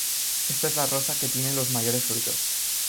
Esta es la rosa que tiene los mayores frutos.